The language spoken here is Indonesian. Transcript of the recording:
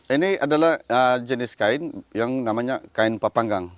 ini adalah jenis kain yang namanya kain papanggang